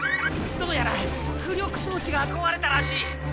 どうやら浮力装置が壊れたらしい！